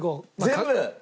全部？